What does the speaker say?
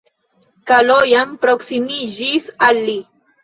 Kalojan proksimiĝis al li.